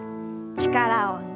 力を抜いて軽く。